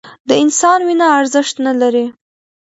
د انسان وینه ارزښت نه لري